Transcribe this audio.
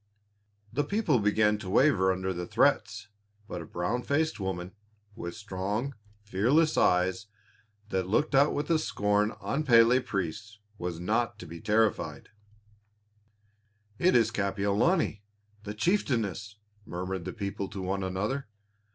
The people began to waver under the threats, but a brown faced woman, with strong, fearless eyes that looked out with scorn on Pélé priests, was not to be terrified. "It is Kapiolani, the chieftainess," murmured the people to one another.